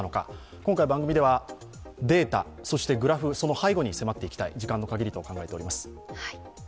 今回、番組ではデータ、グラフ、その背後に迫っていきたい、時間の限りと考えております。